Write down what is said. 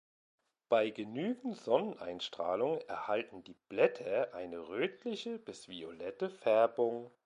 Bei genügend Sonneneinstrahlung erhalten die Blätter eine rötliche bis violette Färbung.